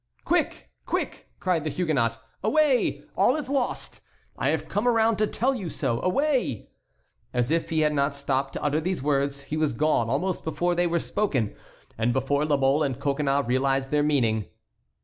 "Quick! quick!" cried the Huguenot; "away! all is lost! I have come around to tell you so. Away!" As if he had not stopped to utter these words, he was gone almost before they were spoken, and before La Mole and Coconnas realized their meaning.